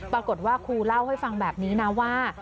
ครูเล่าให้ฟังแบบนี้นะว่า